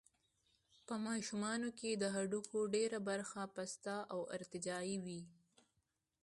په ماشومانو کې د هډوکو ډېره برخه پسته او ارتجاعي وي.